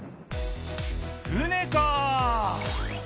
船か！